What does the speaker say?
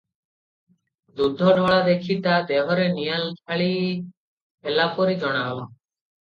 ଦୁଧ ଢଳା ଦେଖି ତା ଦେହରେ ନିଆଁ ଢାଳି ହେଲାପରି ଜଣାଗଲା ।